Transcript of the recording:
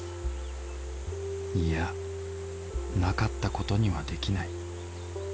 いやなかったことにはできない。